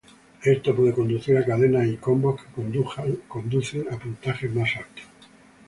Esto puede conducir a cadenas y combos, que conducen a puntajes más altos.